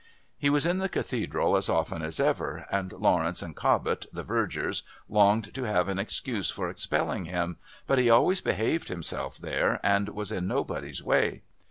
He was in the Cathedral as often as ever, and Lawrence and Cobbett, the Vergers, longed to have an excuse for expelling him, but he always behaved himself there and was in nobody's way.